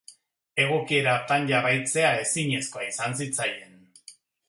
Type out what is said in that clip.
Egokiera hartan jarraitzea ezinezkoa izan zitzaien.